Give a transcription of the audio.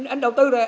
anh đầu tư rồi